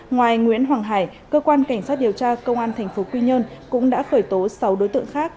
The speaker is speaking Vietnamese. ngoài nguyễn hoàng hải cơ quan cảnh sát điều tra công an tp quy nhơn cũng đã khởi tố sáu đối tượng khác